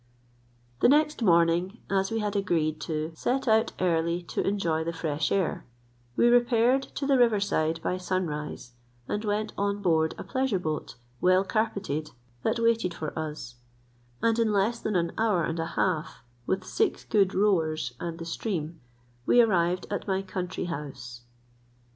The next morning, as we had agreed to set out early to enjoy the fresh air, we repaired to the river side by sun rise, and went on board a pleasure boat well carpeted that waited for us; and in less than an hour and a half, with six good rowers, and the stream, we arrived at my country house.